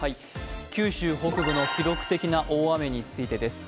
九州北部の記録的な大雨についてです。